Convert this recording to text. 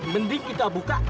mending kita buka